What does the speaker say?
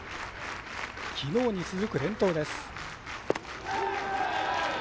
きのうに続く連投です。